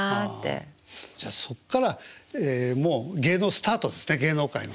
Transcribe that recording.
じゃそっからもう芸能スタートですね芸能界の。